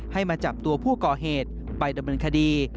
ให้มาจับตัวผู้ก่อเหตุไปดำเนินคดี